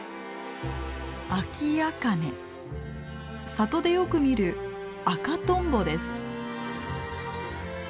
里でよく見る赤とんぼです。